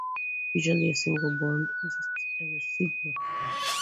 Usually, a single bond is a sigma bond.